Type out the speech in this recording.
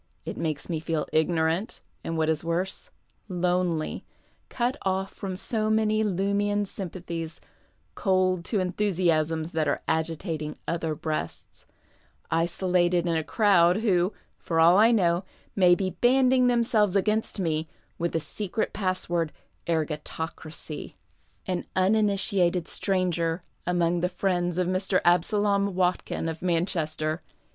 It makes me feel ignorant and, what is worse, lonely, cut off from so many lumian sympathies, cold to enthusiasms that arc agitating other breasts, isolated in a crowd who, for all I know, may be banding themselves against mc with the secret password " crgatocracy," an uninitiated 271 PASTICHE AND PREJUDICE stranger among the friends of Mr. Absalom Watkin of Manchester.